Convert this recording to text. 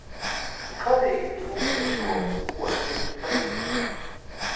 Galīgi trūkst izdomas, ko citu taisīt.